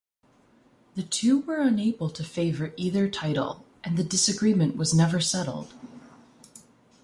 The two were unable to favor either title, and the disagreement was never settled.